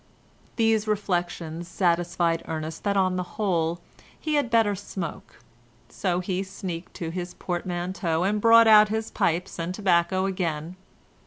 These reflections satisfied Ernest that on the whole he had better smoke, so he sneaked to his portmanteau and brought out his pipes and tobacco again.